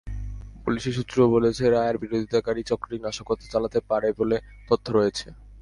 পুলিশের সূত্র বলেছে, রায়ের বিরোধিতাকারী চক্রটি নাশকতা চালাতে পারে বলে তথ্য রয়েছে।